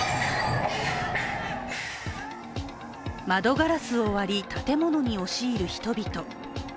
窓ガラスを割り、建物に押し入る人々。